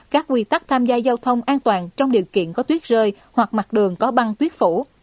các quy tắc tham gia giao thông an toàn trong điều kiện có tuyết rơi hoặc mặt đường có băng tuyết phủ